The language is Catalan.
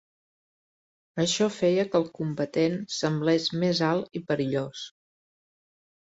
Això feia que el combatent semblés més alt i perillós.